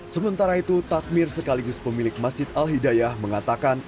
sementara itu takmir sekaligus pemilik masjid al hidayah mengatakan